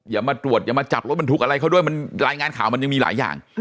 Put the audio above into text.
อย่ามาตรวจอย่ามาจับรถบรรทุกอะไรเขาด้วยมันรายงานข่าวมันยังมีหลายอย่าง